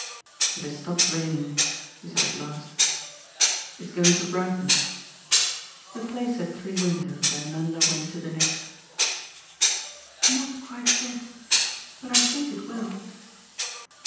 "It has stopped raining," he said at last; "it's going to brighten." The place had three windows, and Nanda went to the next. "Not quite yet but I think it will."